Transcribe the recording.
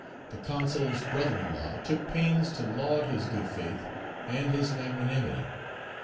The Consul's brother in law took pains to laud his good faith and his magnanimity.